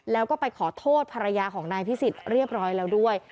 แล้วก็ไปขอโทษภรรยาของนายพิสิทธิ์เรียบร้อยแล้วด้วย